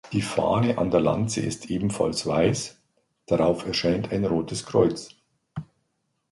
Die Fahne an der Lanze ist ebenfalls weiß, darauf erscheint ein rotes Kreuz.